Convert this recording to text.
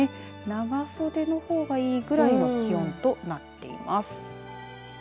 長袖のほうがいいぐらいの気温となっています。